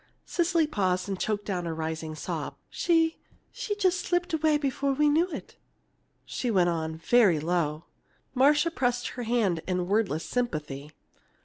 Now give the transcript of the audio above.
Cecily paused and choked down a rising sob. "She she just slipped away before we knew it," she went on, very low. Marcia pressed her hand in wordless sympathy.